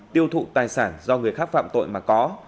tiêu thụ tài sản do người khác phạm tội mà có